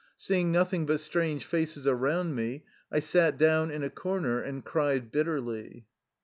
Seeing nothing but strange faces around me, I sat down in a corner and cried bitterly.